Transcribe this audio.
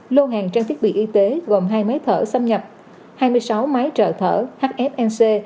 lô hàng trang thiết bị y tế gồm hai máy thở xâm nhập hai mươi sáu máy trợ thở hfnc